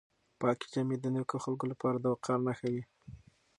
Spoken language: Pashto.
پاکې جامې د نېکو خلکو لپاره د وقار نښه وي.